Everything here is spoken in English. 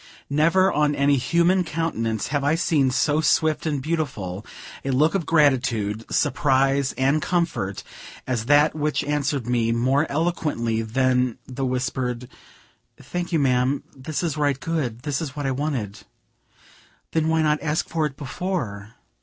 Never, on any human countenance, have I seen so swift and beautiful a look of gratitude, surprise and comfort, as that which answered me more eloquently than the whispered "Thank you, ma'am, this is right good! this is what I wanted!" "Then why not ask for it before?"